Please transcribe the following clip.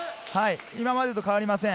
今までと変わりません。